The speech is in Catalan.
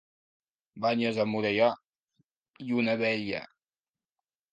Banyes a Morella, lluna vella.